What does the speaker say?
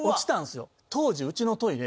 当時うちのトイレ。